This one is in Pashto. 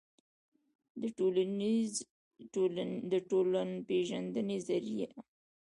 دټولنپېژندې ظریه